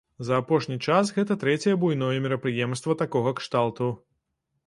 За апошні час гэта трэцяе буйное мерапрыемства такога кшталту.